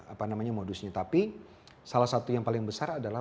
apa namanya modusnya tapi salah satu yang paling besar adalah